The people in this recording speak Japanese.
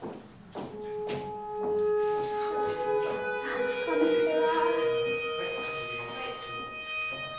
あっこんにちは。